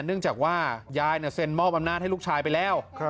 เนื่องจากว่ายายเซ็นมอบอำนาจให้ลูกชายไปแล้ว